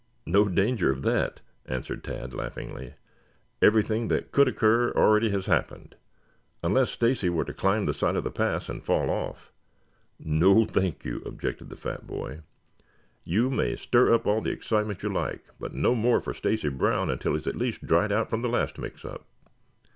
"No danger of that," answered Tad laughingly. "Everything that could occur already has happened, unless Stacy were to climb the side of the pass and fall off." "No, thank you," objected the fat boy. "You may stir up all the excitement you like, but no more for Stacy Brown until he is at least dried out from the last mixup."